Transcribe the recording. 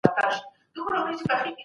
اعزاز او اکرام یوازي د خدای په لاس کي دي.